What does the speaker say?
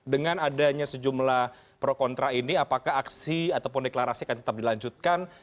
dengan adanya sejumlah pro kontra ini apakah aksi ataupun deklarasi akan tetap dilanjutkan